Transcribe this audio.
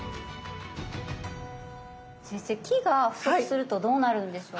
先生「気」が不足するとどうなるんでしょうか？